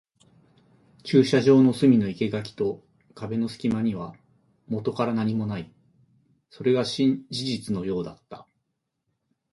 駐車場の隅の生垣と壁の隙間にはもとから何もない。それが事実のようだった。